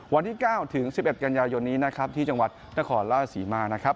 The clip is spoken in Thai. วันที่๙ถึง๑๑กันยายนนี้นะครับที่จังหวัดนครราชศรีมานะครับ